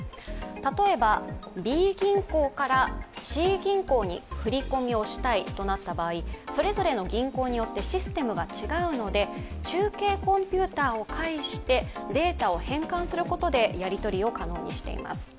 例えばＢ銀行からＣ銀行に振り込みをしたいとなった場合、それぞれの銀行によってシステムが違うので中継コンピューターを介してデータを変換することでやり取りを可能にしています。